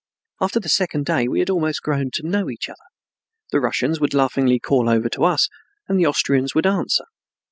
After the second day we had almost grown to know each other. The Russians would laughingly call over to us, and the Austrians would answer.